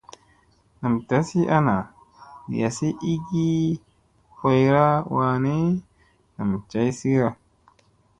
Nam dazi ana li azi i gi poyra wa ni, nam cazya.